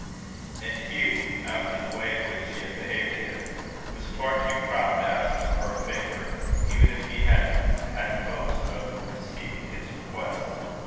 And Hugh, after the way in which she had behaved to him, was far too proud to ask her a favour, even if he had had hopes of receiving his request.